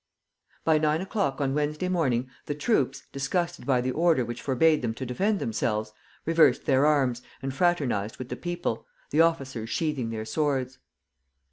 By nine o'clock on Wednesday morning the troops, disgusted by the order which forbade them to defend themselves, reversed their arms and fraternized with the people, the officers sheathing their swords.